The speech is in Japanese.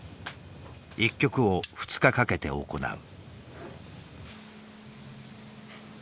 １局を２日かけて行う。